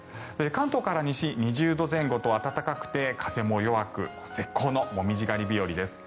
関東から西、２０度前後と暖かくて風も弱く絶好のモミジ狩り日和です。